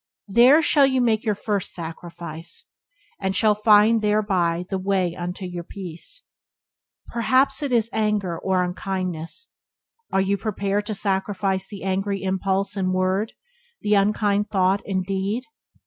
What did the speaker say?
There shall you make your first sacrifice, and shall find thereby the way unto your peace. Perhaps it is anger or unkindness. Are you prepared to sacrifice the angry impulse and word, the unkind thought and deed?